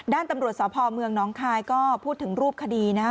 ด้านตำรวจสพเมืองน้องคายก็พูดถึงรูปคดีนะครับ